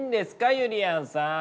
ゆりやんさん。